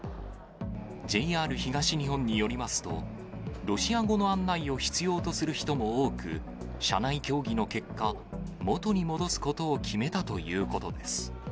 ＪＲ東日本によりますと、ロシア語の案内を必要とする人も多く、社内協議の結果、元に戻すことを決めたということです。